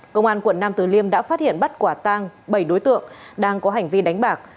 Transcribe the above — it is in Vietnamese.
công an quận nam từ liêm đã phát hiện bắt quả tang bảy đối tượng đang có hành vi đánh bạc